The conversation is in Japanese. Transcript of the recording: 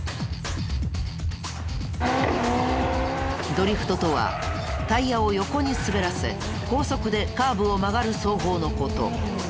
ドリフトとはタイヤを横に滑らせ高速でカーブを曲がる走法の事。